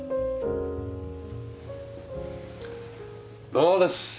どうです？